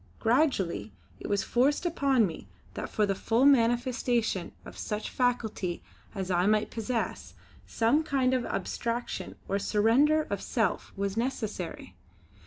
Gradually it was forced upon me that for the full manifestation of such faculty as I might possess, some kind of abstraction or surrender of self was necessary.